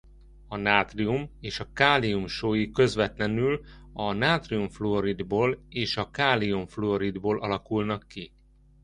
A nátrium és a kálium sói közvetlenül a nátrium-fluoridból és a kálium-fluoridból alakulnak ki.